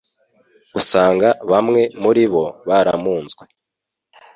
usanga bamwe muribo baramunzwe